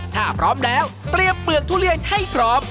ถ้าพร้อมแล้วเตรียมเปลือกทุเรียนให้พร้อม